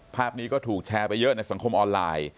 ภาพนี้ก็ถูกแชร์ไปเยอะในสังคมออนไลน์